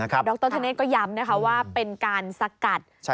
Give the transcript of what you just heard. ดรธเนธก็ย้ำนะคะว่าเป็นการสกัด